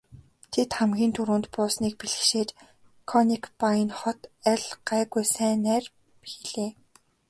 Тэд хамгийн түрүүнд буусныг бэлэгшээж Конекбайн хот айл гайгүй сайн найр хийлээ.